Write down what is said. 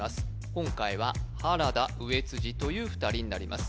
今回は原田上辻という２人になります